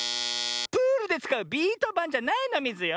プールでつかうビートばんじゃないのミズよ。